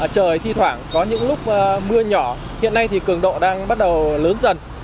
trời thi thoảng có những lúc mưa nhỏ hiện nay thì cường độ đang bắt đầu lớn dần